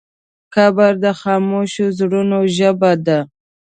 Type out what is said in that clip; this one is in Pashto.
قبر د خاموشو زړونو ژبه ده.